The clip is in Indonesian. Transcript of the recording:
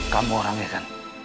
kamu orangnya kan